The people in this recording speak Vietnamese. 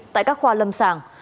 tại các khoa lâm sàng